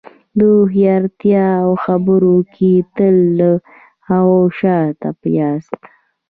په هوښیارتیا او خبرو کې تل له هغه شاته یاست.